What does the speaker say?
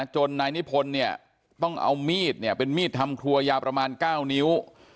นายนิพนธ์เนี่ยต้องเอามีดเนี่ยเป็นมีดทำครัวยาวประมาณ๙นิ้ว